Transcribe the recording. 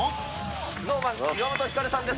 ＳｎｏｗＭａｎ・岩本照さんです。